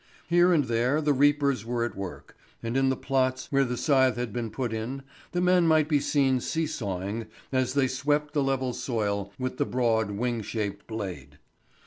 Here and there the reapers were at work, and in the plots where the scythe had been put in the men might be seen see sawing as they swept the level soil with the broad, wing shaped blade.